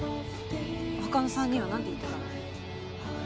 他の三人は何て言ってたの？